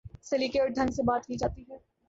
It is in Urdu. سلیقے اور ڈھنگ سے بات کی جاتی ہے۔